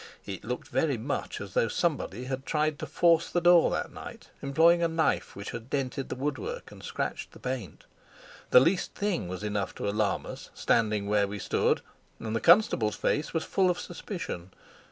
It looked very much as though somebody had tried to force the door that night, employing a knife which had dented the woodwork and scratched the paint. The least thing was enough to alarm us, standing where we stood, and the constable's face was full of suspicion.